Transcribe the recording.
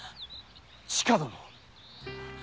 千加殿？